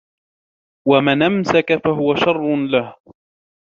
وَمَنْ أَمْسَكَ فَهُوَ شَرٌّ لَهُ